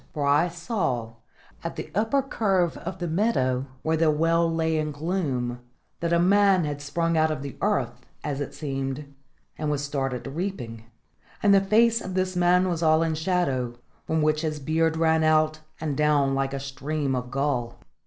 For I saw, at the upper curve of the meadow, where the well lay in gloom, that a man had sprung out of the earth, as it seemed, and was started reaping; and the face of this man was all in shadow, from which his beard ran out and down like a stream of gall.